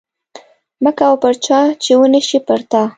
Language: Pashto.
مه کوه پر چا چې ونشي پر تا